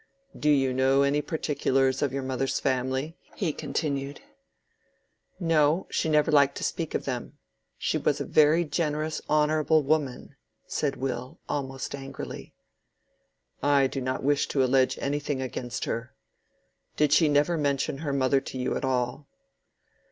"Do you know any particulars of your mother's family?" he continued. "No; she never liked to speak of them. She was a very generous, honorable woman," said Will, almost angrily. "I do not wish to allege anything against her. Did she never mention her mother to you at all?"